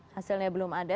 hasilnya belum ada